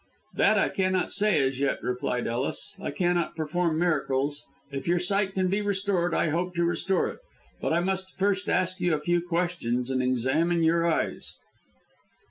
"That I cannot say as yet," replied Ellis. "I cannot perform miracles. If your sight can be restored, I hope to restore it. But I must first ask you a few questions and examine your eyes."